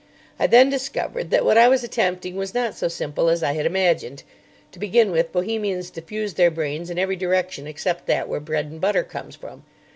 I then discovered that what I was attempting was not so simple as I had imagined. To begin with, Bohemians diffuse their brains in every direction except that where bread and butter comes from.